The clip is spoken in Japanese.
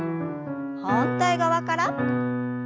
反対側から。